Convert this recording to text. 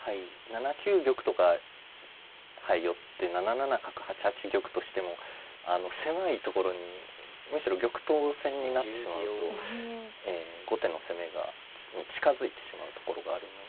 ７九玉とか寄って７七角８八玉としても狭いところにむしろ玉頭戦になってしまうと後手の攻めに近づいてしまうところがあるので。